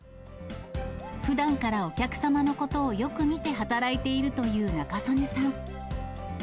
ふだんからお客様のことをよく見て働いているという仲宗根さん。